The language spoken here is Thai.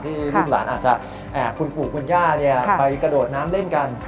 ลูกหลานอาจจะคุณปู่คุณย่าไปกระโดดน้ำเล่นกัน